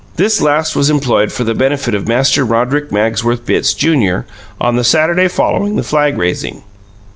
This last was employed for the benefit of Master Roderick Magsworth Bitts, Junior, on the Saturday following the flag raising.